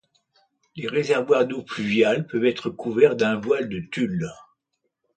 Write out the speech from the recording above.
Les réservoirs d'eau pluviale peuvent être couverts d'un voile de tulle.